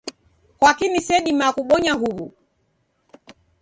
Kwaki nisedimaa kubonya huw'u?